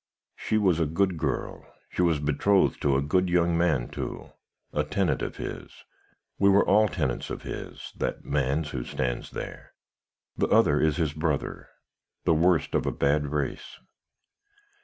She was a good girl. She was betrothed to a good young man, too: a tenant of his. We were all tenants of his that man's who stands there. The other is his brother, the worst of a bad race.'